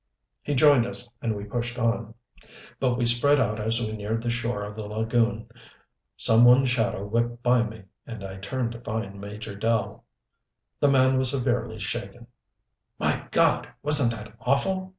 He joined us, and we pushed on, but we spread out as we neared the shore of the lagoon. Some one's shadow whipped by me, and I turned to find Major Dell. The man was severely shaken. "My God, wasn't that awful!"